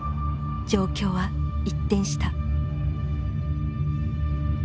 状況は一転した。